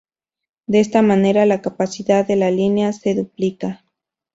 De esta manera, la capacidad de la línea se duplica.